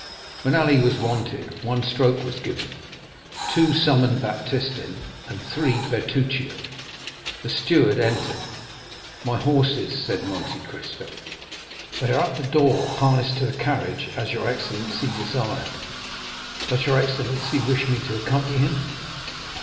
When Ali was wanted one stroke was given, two summoned Baptistin, and three Bertuccio. The steward entered. "My horses," said Monte Cristo. "They are at the door harnessed to the carriage as your excellency desired. Does your excellency wish me to accompany him?"